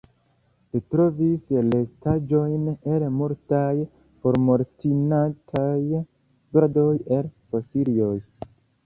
Li trovis restaĵojn el multaj formortintaj birdoj el fosilioj.